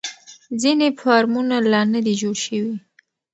ځینې فارمونه لا نه دي جوړ شوي.